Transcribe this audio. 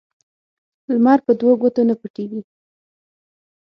لمر په دوو ګوتو نه پټيږي.